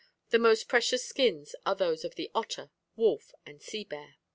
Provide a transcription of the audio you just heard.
The most precious skins are those of the otter, wolf, and sea bear.